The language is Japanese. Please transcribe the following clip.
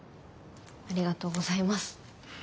ありがとうございます。